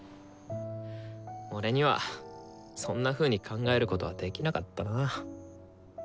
俺にはそんなふうに考えることはできなかったなぁ。